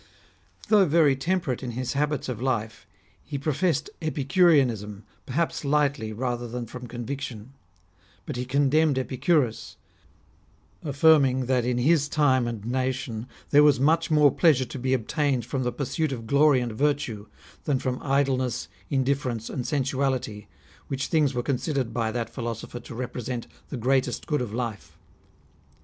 Though very temperate in his habits of life, he pro fessed Epicureanism, perhaps lightly rather than from conviction. But he condemned Epicurus, af&rming that in his time and nation there was much more pleasure to be obtained from the pursuit of glory and virtue, than from idleness, indifference, and sensuality, which thiugs were considered by that philosopher to represent the greatest good of life.